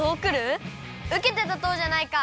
うけてたとうじゃないか！